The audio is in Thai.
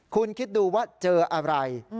คุณคิดดูว่าเจออะไร